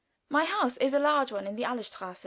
My house is a large one in the Alléestrasse.